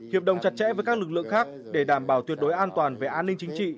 hiệp đồng chặt chẽ với các lực lượng khác để đảm bảo tuyệt đối an toàn về an ninh chính trị